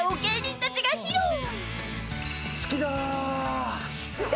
好きだ！